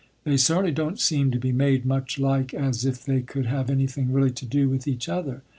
They certainly don't seem to be made much like as if they could have anything really to do with each other.